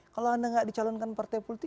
kalau anda nggak dicalonkan partai politik